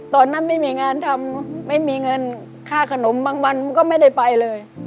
ตอนนั้นไม่มีงานทำไม่มีเงินค่าขนมบางวันมันก็ไม่ได้ไปเลย